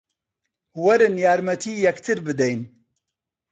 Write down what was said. وەرن یارمەتی یەکتر بدەین